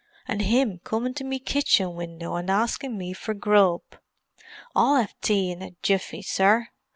An' him comin' to me kitching window an' askin' me for grub! I'll 'ave tea in a jiffy, sir.